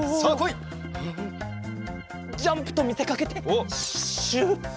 ジャンプとみせかけてシュッ。